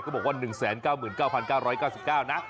บอกว่า๑๙๙๙๙๙๙นะ